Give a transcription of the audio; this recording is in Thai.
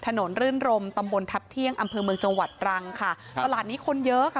ถนนรื่นรมตำบลทัพเที่ยงอำเภอเมืองจังหวัดตรังค่ะตลาดนี้คนเยอะค่ะ